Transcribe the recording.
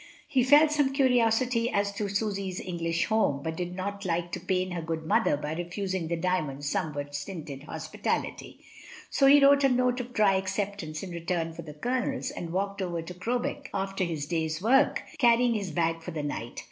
He felt some curiosity as to Susy's English home, and did not like to pain her good mother by refusing the Dymond's somewhat stinted hospitality; so he wrote a note of dry acceptance in return for the Colonel's, and walked over to Crowbeck after his day's work, carrying his bag for the night.